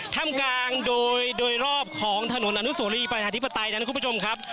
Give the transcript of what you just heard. ถ้ำกลางโดยรอบของถนนอนุโสรีประชาธิปไตยนั้นคุณผู้ชมครับ